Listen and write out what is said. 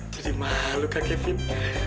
jadi malu kak kevin